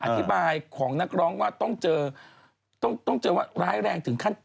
อธิบายของนักร้องว่าต้องเจอต้องเจอว่าร้ายแรงถึงขั้น